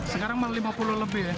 sekarang lima puluh lebih ya